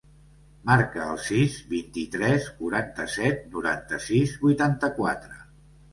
Marca el sis, vint-i-tres, quaranta-set, noranta-sis, vuitanta-quatre.